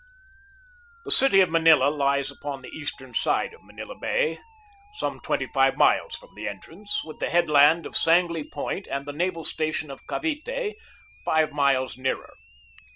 The city of Manila lies upon the eastern side of Manila Bay, some twenty five miles from the en trance, with the headland of Sangley Point and the naval station of Cavite five miles nearer.